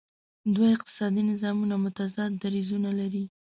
دوه اقتصادي نظامونه متضاد دریځونه لري.